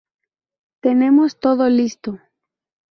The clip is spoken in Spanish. Tenemos todo listo.